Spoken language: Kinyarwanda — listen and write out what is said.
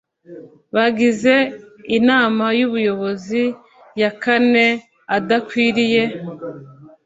bagize Inama y Ubuyobozi ya kane adakwiriye